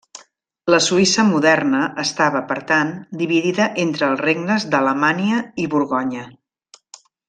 La Suïssa moderna estava, per tant, dividia entre els regnes d'Alamània i Borgonya.